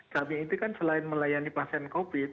kami itu kan selain melayani pasien covid sembilan belas